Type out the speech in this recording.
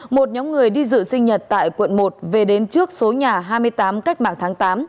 một nhóm người đi dự sinh nhật tại quận một về đến trước số nhà hai mươi tám cách mạng tháng tám